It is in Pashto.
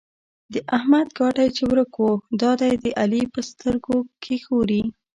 د احمد ګاډی چې ورک وو؛ دا دی د علي په سترګو کې ښوري.